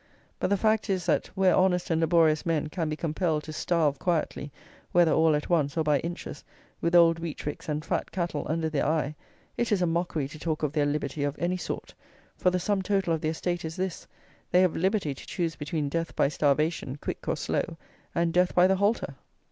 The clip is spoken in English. But the fact is that, where honest and laborious men can be compelled to starve quietly, whether all at once or by inches, with old wheat ricks, and fat cattle under their eye, it is a mockery to talk of their "liberty," of any sort; for the sum total of their state is this, they have "liberty" to choose between death by starvation (quick or slow) and death by the halter!